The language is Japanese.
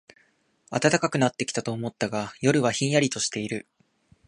暖かくなってきたと思ったが、夜はひんやりとしている